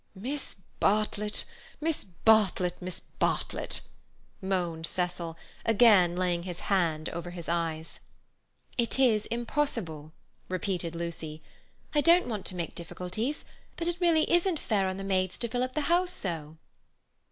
"Miss Bartlett, Miss Bartlett, Miss Bartlett," moaned Cecil, again laying his hand over his eyes. "It's impossible," repeated Lucy. "I don't want to make difficulties, but it really isn't fair on the maids to fill up the house so."